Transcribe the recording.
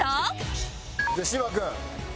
じゃあ芝君。